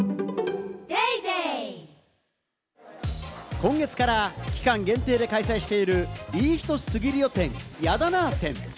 今月から期間限定で開催している「いい人すぎるよ展＋やだなー展」。